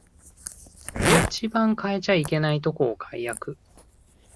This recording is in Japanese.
一番変えちゃいけないとこを改悪